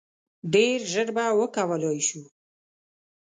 ډیر ژر به وکولای شو.